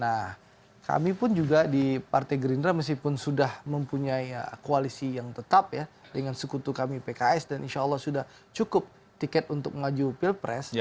nah kami pun juga di partai gerindra meskipun sudah mempunyai koalisi yang tetap ya dengan sekutu kami pks dan insya allah sudah cukup tiket untuk maju pilpres